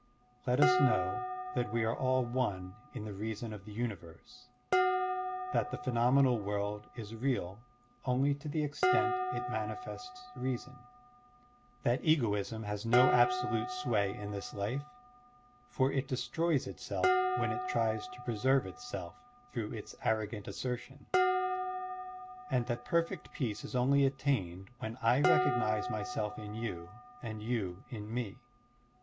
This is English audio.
Let us know that we are all one in the reason of the universe, that the phenomenal world is real only to the extent it manifests reason, that egoism has no absolute sway in this life, for it destroys itself when it tries to preserve itself through its arrogant assertion, and that perfect peace is only attained when I recognize myself in you and you in me.